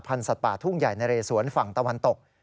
สัตว์ป่าทุ่งใหญ่นะเรสวนฝั่งตะวันตก